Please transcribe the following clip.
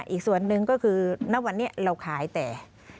อีกส่วนหนึ่งก็คือณวันนี้เราขายแต่